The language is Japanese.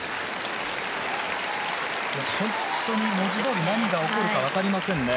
本当に文字どおり何が起こるか分かりませんね。